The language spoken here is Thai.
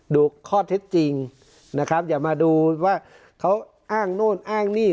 ดูข้อเท็จจริงนะครับอย่ามาดูว่าเขาอ้างโน่นอ้างนี่